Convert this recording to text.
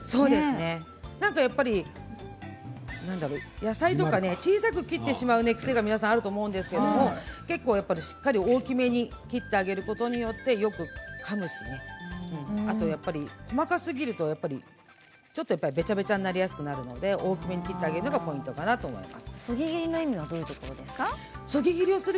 野菜とか小さく切ってしまう癖が、皆さんあると思うんですけど結構しっかり大きめに切ってあげることによってよくかむしあと細かすぎるとやっぱりべちゃべちゃになりやすくなるんで、大きめに切ってあげるのがポイントかなと思います。